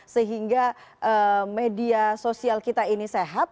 sehingga media sosial kita ini sehat